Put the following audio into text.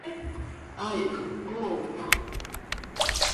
Aih, ¡hoocta!